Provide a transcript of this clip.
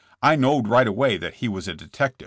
I knowed right away that he was a detective."